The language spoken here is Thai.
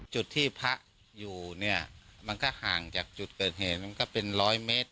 จุดที่พระอยู่เนี่ยมันก็ห่างจากจุดเกิดเหตุมันก็เป็นร้อยเมตร